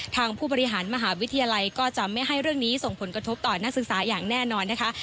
ผู้บริหารมหาวิทยาลัยก็จะไม่ให้เรื่องนี้ส่งผลกระทบต่อนักศึกษาอย่างแน่นอนนะคะ